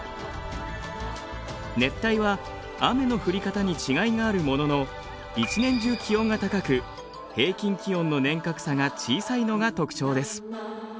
熱帯は雨の降り方に違いがあるものの一年中気温が高く平均気温の年較差が小さいのが特徴です。